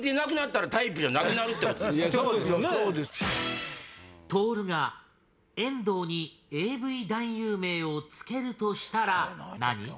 とおるが遠藤にＡＶ男優名を付けるとしたら何？